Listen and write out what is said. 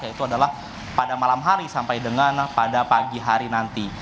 yaitu adalah pada malam hari sampai dengan pada pagi hari nanti